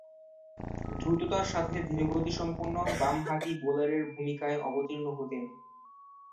দ্রুততার সাথে ধীরগতিসম্পন্ন বামহাতি বোলারের ভূমিকায় অবতীর্ণ হতেন।